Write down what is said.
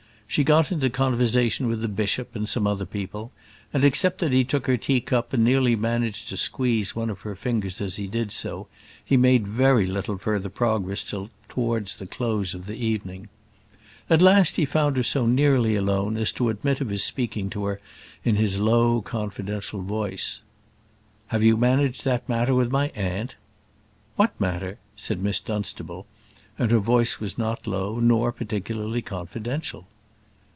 She got into conversation with the bishop and some other people, and, except that he took her teacup and nearly managed to squeeze one of her fingers as he did so, he made very little further progress till towards the close of the evening. At last he found her so nearly alone as to admit of his speaking to her in his low confidential voice. "Have you managed that matter with my aunt?" "What matter?" said Miss Dunstable; and her voice was not low, nor particularly confidential.